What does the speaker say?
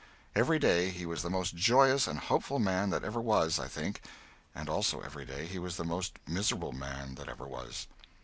Every day he was the most joyous and hopeful man that ever was, I think, and also every day he was the most miserable man that ever was.